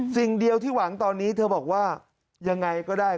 สิ่งเดียวที่หวังตอนนี้เธอบอกว่ายังไงก็ได้